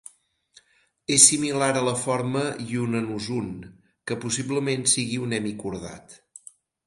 És similar a la forma "Yunnanozoon", que possiblement sigui un hemicordat.